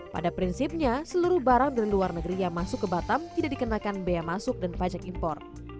pada prinsipnya seluruh barang dari luar negeri yang masuk ke batam tidak dikenakan bea masuk dan pajak impor